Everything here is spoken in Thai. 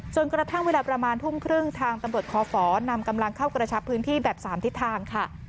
กระทั่งเวลาประมาณทุ่มครึ่งทางตำรวจคอฝนำกำลังเข้ากระชับพื้นที่แบบ๓ทิศทางค่ะ